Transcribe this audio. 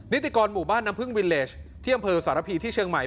นิติกรหมู่บ้านน้ำพึ่งวิเลสที่อำเภอสารพีที่เชียงใหม่